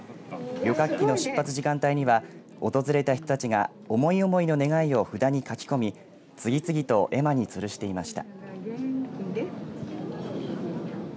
旅客機の出発時間帯には訪れた人たちが思い思いの願いを札に書き込み次と絵馬につるしていました。